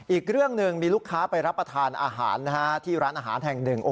อีกเรื่องหนึ่งมีลูกค้าไปรับประทานอาหารที่ร้านอาหารแห่งหนึ่ง